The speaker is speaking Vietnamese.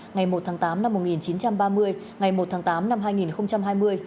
ngày một tháng tám năm một nghìn chín trăm ba mươi ngày một tháng tám năm hai nghìn hai mươi